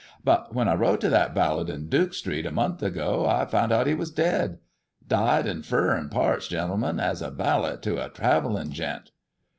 But when I wrote to that Ballard in Duke Street, a month ago, I found out he was dead Died in furren parts, gentlemen, as a valet to a travelling gent."